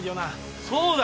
そうだよ。